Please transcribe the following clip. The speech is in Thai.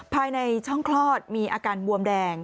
ภายในช่องคลอดมีอาการบวมแดง